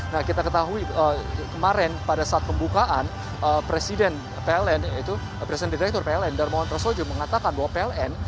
nah kita ketahui kemarin pada saat pembukaan presiden direktur pln darmawan tersojo mengatakan bahwa pln